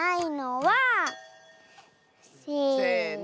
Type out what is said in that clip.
せの。